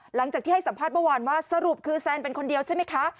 หลังจากที่ให้สัมภาษณ์เมื่อวานว่าสรุปคือแซนเป็นคนเดียวใช่ไหมคะ